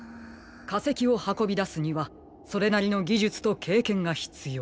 かせきをはこびだすにはそれなりのぎじゅつとけいけんがひつよう。